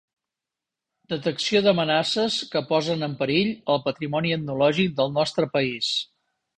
Detecció d'amenaces que posen en perill el patrimoni etnològic del nostre país.